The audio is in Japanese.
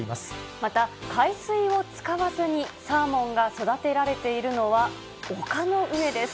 また、海水を使わずにサーモンが育てられているのは、丘の上です。